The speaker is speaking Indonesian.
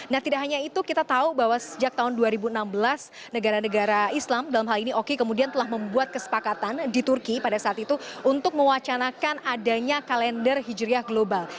nah tidak hanya itu kita tahu bahwa sejak tahun dua ribu enam belas negara negara islam dalam hal ini oki kemudian telah membuat kesepakatan di turki pada saat itu untuk mewacanakan adanya kalender hijriah global